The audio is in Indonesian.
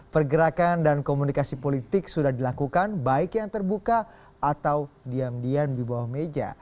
pergerakan dan komunikasi politik sudah dilakukan baik yang terbuka atau diam diam di bawah meja